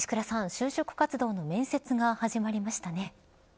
就職活動の面接が始まりましたね。